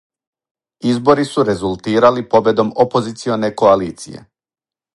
Избори су резултирали победом опозиционе коалиције.